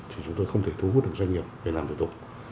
thì chúng tôi không thể thu hút được doanh nghiệp về làm thủ tục